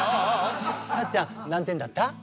さっちゃん何点だった？